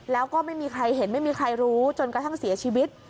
แล้วก็ไม่มีใครเห็นไม่มีใครรู้จนกระทั่งเสียชีวิต